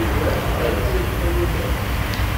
Ales-d.